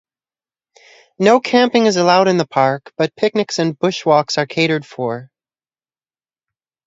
No camping is allowed in the park but picnics and bushwalks are catered for.